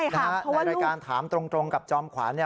ในรายการถามตรงกับจอมขวาน